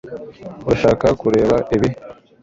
Urashaka kureba ibi